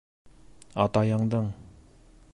Атайыңдың...